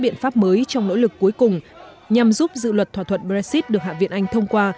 biện pháp mới trong nỗ lực cuối cùng nhằm giúp dự luật thỏa thuận brexit được hạ viện anh thông qua